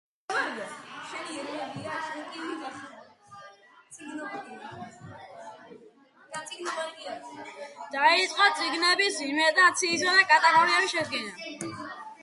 დაიწყო წიგნების ინვენტარიზაცია და კატალოგის შედგენა.